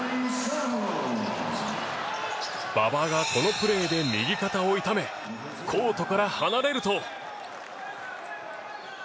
馬場がこのプレーで右肩を痛めコートから離れると。